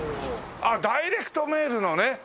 あっダイレクトメールのね。